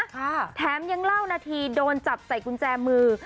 ค่ะแถมยังเล่านาทีโดนจับใส่กุญแจมือ